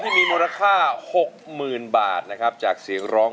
ขอบอกเธอด้วยใจจริง